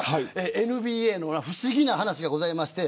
ＮＢＡには不思議な話がありまして。